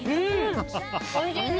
おいしいね？